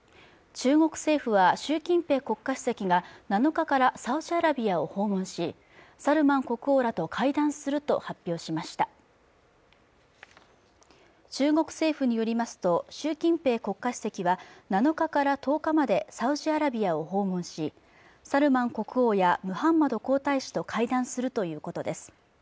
中国政府は習近平国家主席が７日からサウジアラビアを訪問しサルマン国王らと会談すると発表しました中国政府によりますと習近平国家主席は７日から１０日までサウジアラビアを訪問しサルマン国王やムハンマド皇太子と会談するということです